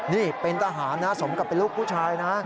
นี่เป็นทหารนะสมกับเป็นลูกผู้ชายนะ